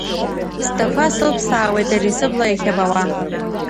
Сдақәа сылԥсаауеит ари сыбла иахьабауа…